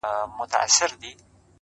• څنگه دي هېره كړمه؛